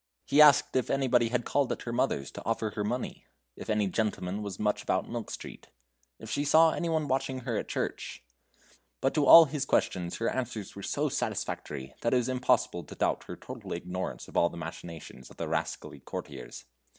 He asked if anybody had called at her mother's to offer her money; if any gentleman was much about Milk Street; if she saw any one watching her at church; but to all his questions her answers were so satisfactory, that it was impossible to doubt her total ignorance of all the machinations of the rascally courtiers.